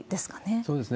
そうですね。